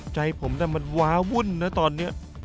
ใจผมน่ะมันว้าวุ่นนะตอนนี้